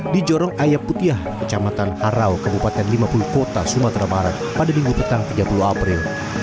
di jorong ayaputiah kecamatan harau kabupaten lima puluh kota sumatera barat pada minggu petang tiga puluh april